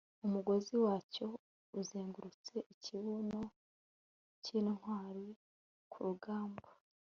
Umugozi wacyo uzengurutse ikibuno cyintwari kurugamba